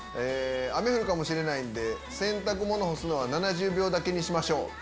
雨降るかもしれないんで洗濯物干すのは７０秒だけにしましょう。